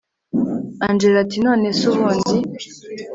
angella ati nonese ubundi